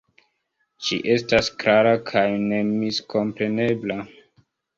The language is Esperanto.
Ĝi estas klara kaj nemiskomprenebla.